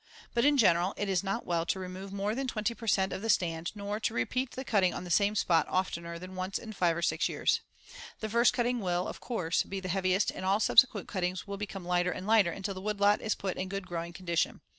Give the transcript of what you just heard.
But in general it is not well to remove more than twenty per cent of the stand nor to repeat the cutting on the same spot oftener than once in five or six years. The first cutting will, of course, be the heaviest and all subsequent cuttings will become lighter and lighter until the woodlot is put in good growing condition.